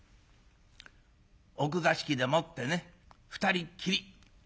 奥座敷でもってね２人っきり。